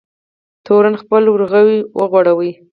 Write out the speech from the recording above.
تورن خپل ورغوی وغوړوی.